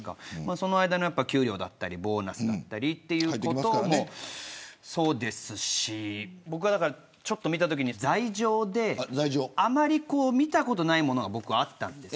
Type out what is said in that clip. その間の給料だったりボーナスだったりということもそうですし僕が見たときに罪状であまり見たことがないものがあったんです。